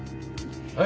はい！